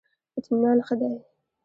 اطمینان ښه دی.